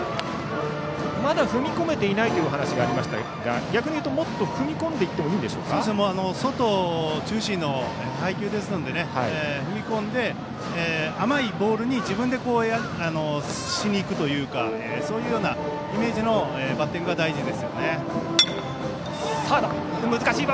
まだ踏み込めていないという話がありましたが逆に言うと、もっと踏み込んでいってもいいんでしょうか。外中心の配球なので踏み込んで、甘いボールに自分でしにいくというかそういうようなイメージのバッティングが大事です。